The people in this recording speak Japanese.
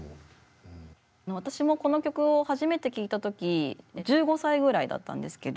私もこの曲を初めて聴いた時１５歳ぐらいだったんですけど